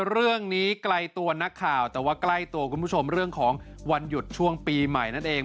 เรื่องนี้ไกลตัวนักข่าวแต่ว่าใกล้ตัวคุณผู้ชมเรื่องของวันหยุดช่วงปีใหม่นั่นเอง